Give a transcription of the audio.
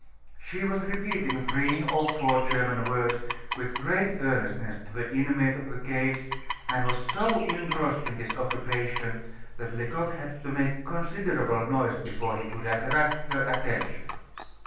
She was repeating three or four German words with great earnestness to the inmate of the cage, and was so engrossed in this occupation that Lecoq had to make considerable noise before he could attract her attention.